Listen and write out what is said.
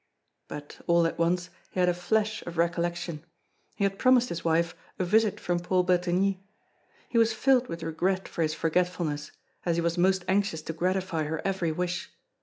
But, all at once, he had a flash of recollection. He had promised his wife a visit from Paul Bretigny. He was filled with regret for his forgetfulness, as he was most anxious to gratify her every wish.